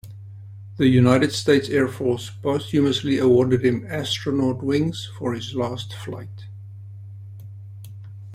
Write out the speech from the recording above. The United States Air Force posthumously awarded him Astronaut Wings for his last flight.